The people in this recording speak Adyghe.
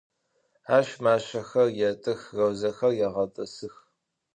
Aş maşşexer yêt'ıx, rozexer yêğet'ısıx.